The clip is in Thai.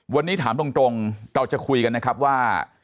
วันนี้ถามตรงเราจะคุยกันนะครับว่า